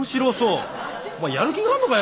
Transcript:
お前やる気があんのか？